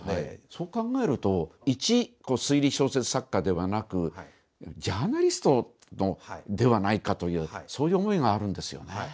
そう考えるといち推理小説作家ではなくジャーナリストではないか？というそういう思いがあるんですよね。